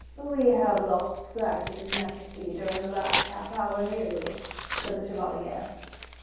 "We have lost sight of his majesty during the last half hour nearly," said the chevalier.